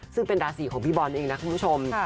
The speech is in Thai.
ซึ่งเป็นราศีของพี่บอลเองนะคุณผู้ชม